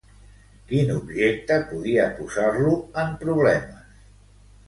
Quin objecte podia posar-lo en problemes?